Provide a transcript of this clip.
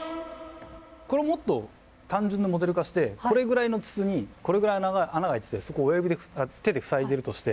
これをもっと単純なモデル化してこれぐらいの筒にこれぐらいの穴が開いててそこを手で塞いでるとして。